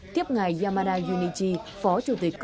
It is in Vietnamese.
tiếp ngày yamada yunichi phó chủ tịch cơ quan hợp tác quốc đội